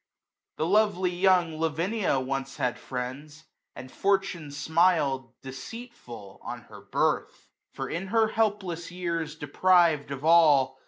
The lovely young Lavinia once had friends. And fortune smil'd, deceitful,, on her birth ; For, in her helpless years deprived of all.